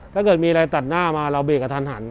ถ้าเกิดมีอะไรตัดหน้ามาเราเบรกกับทันหัน